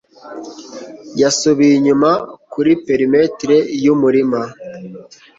yasubiye inyuma kuri perimetres yumurima